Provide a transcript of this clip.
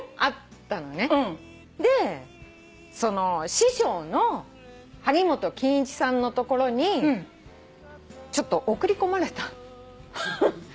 師匠の萩本欽一さんの所にちょっと送り込まれた。